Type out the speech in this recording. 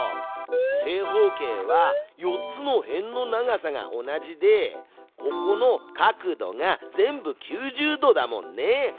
正方形は４つの辺の長さが同じでここの角度が全部９０度だもんね！